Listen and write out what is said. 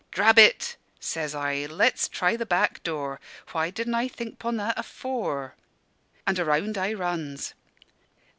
"'Drabbet it!' says I, 'let's try the back door. Why didn' I think 'pon that afore?' And around I runs.